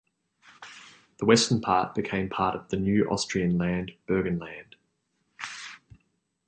The western part became part of the new Austrian land Burgenland.